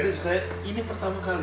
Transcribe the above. ini pertama kali